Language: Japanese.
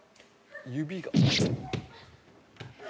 指が。